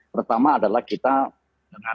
pertama adalah kita dengan